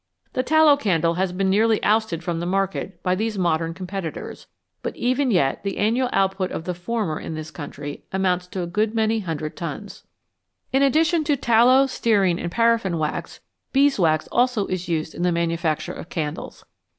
The tallow candle has been nearly ousted from the market by these modern com petitors, but even yet the annual output of the former in this country amounts to a good many hundred tons. 245 FATS AND OILS In addition to tallow, stearine, and paraffin wax, beeswax also is used in the manufacture of candles.